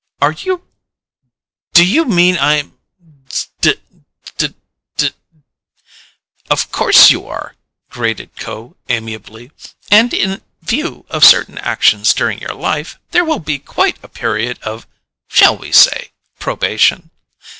"Are you Do you mean I'm ... d d d ?" "Of course you are," grated Kho amiably. "And in view of certain actions during your life, there will be quite a period of shall we say probation.